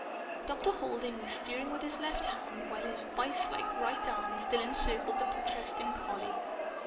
Dr. Halding was steering with his left hand, while his viselike right arm still encircled the protesting collie.